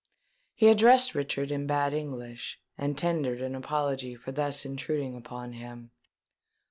He addressed Richard in bad English, and tendered an apology for thus intruding upon him.